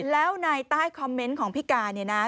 แล้วในใต้คอมเมนต์ของพี่กาเนี่ยนะ